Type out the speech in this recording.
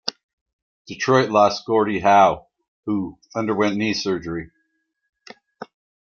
Detroit lost Gordie Howe, who underwent knee surgery.